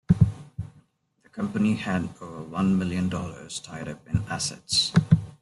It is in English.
The company had over one million dollars tied up in assets.